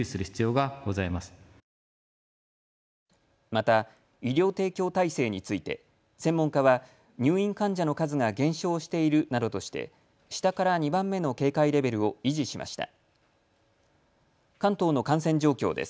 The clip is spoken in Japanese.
また医療提供体制について専門家は入院患者の数が減少しているなどとして下から２番目の警戒レベルを維持しました。